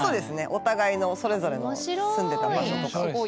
お互いのそれぞれの住んでた場所とか。